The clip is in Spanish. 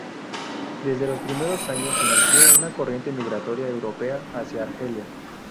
Desde los primeros años se inició una corriente migratoria europea hacia Argelia.